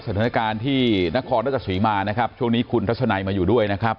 สถานการณ์ที่นครราชสีมานะครับช่วงนี้คุณทัศนัยมาอยู่ด้วยนะครับ